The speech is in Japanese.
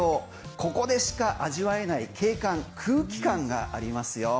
ここでしか味わえない景観空気感がありますよ。